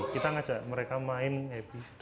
kita ngajak mereka main happy